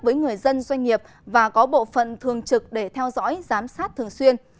với người dân doanh nghiệp và có bộ phận thường trực để theo dõi giám sát thường xuyên